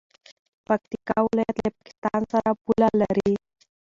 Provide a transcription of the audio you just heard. پکتیکا ولایت له پاکستان سره پوله لري.